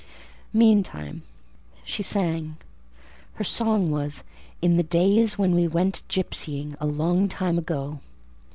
Meantime she sang: her song was— "In the days when we went gipsying, A long time ago."